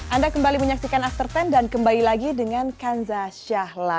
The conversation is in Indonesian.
anda kembali menyaksikan after sepuluh dan kembali lagi dengan kanza syahla